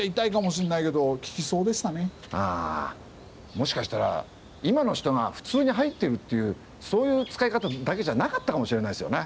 もしかしたら今の人が普通に入ってるというそういう使い方だけじゃなかったかもしれないですよね。